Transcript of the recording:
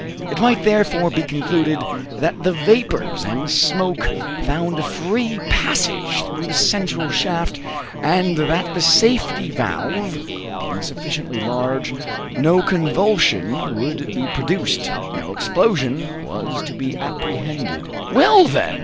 It might therefore be concluded that the vapors and smoke found a free passage through the central shaft; and that the safety valve being sufficiently large, no convulsion would be produced, no explosion was to be apprehended. "Well, then!"